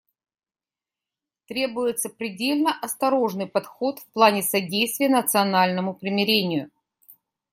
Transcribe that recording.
Требуется предельно осторожный подход в плане содействия национальному примирению.